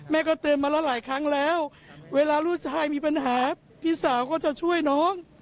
เตือนมาแล้วหลายครั้งแล้วเวลาลูกชายมีปัญหาพี่สาวก็จะช่วยน้อง